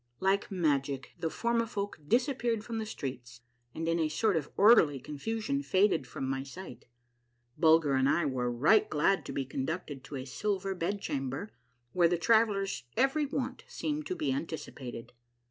Like magic the Formifolk disappeared from the streets, and in a sort of orderly confusion faded from my sight. Bulger and I were right glad to be conducted to a silver bed chamber, where the traveller's every want seemed to be anticipated.